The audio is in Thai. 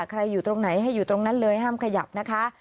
อยู่ตรงไหนให้อยู่ตรงนั้นเลยห้ามขยับนะคะ